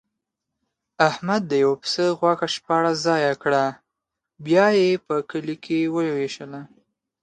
احمد د یوه پسه غوښه شپاړس ځایه کړه، بیا یې په کلي ووېشله.